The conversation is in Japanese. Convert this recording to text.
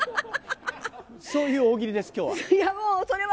そういう大喜利です、きょうは。